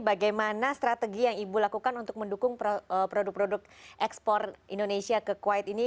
bagaimana strategi yang ibu lakukan untuk mendukung produk produk ekspor indonesia ke kuwait ini